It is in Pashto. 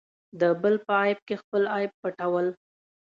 د بل په عیب کې خپل عیب پټول.